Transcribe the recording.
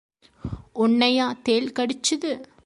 உன்னையா தேள் கடிச்சுது?